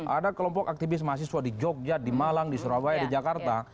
ada kelompok aktivis mahasiswa di jogja di malang di surabaya di jakarta